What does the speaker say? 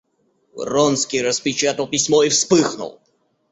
Вронский распечатал письмо и вспыхнул.